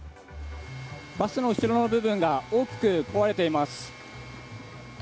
バスの後ろの部分が大きく壊れています。